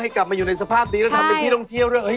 กลับมาอยู่ในสภาพดีแล้วทำเป็นที่ท่องเที่ยวด้วย